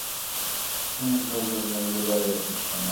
আমার দরজার বাহিরে দাঁড়িয়ে আছিস কেন?